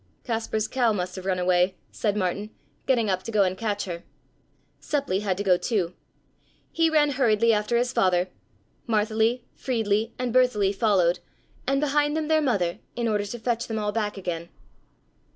"Kaspar's cow must have run away," said Martin, getting up to go and catch her. Seppli had to go too! He ran hurriedly after his father, Martheli, Friedli and Bertheli followed, and behind them their mother, in order to fetch them all back again.